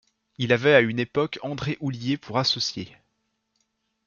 Il avait à une époque André Oulié pour associé.